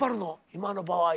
今の場合。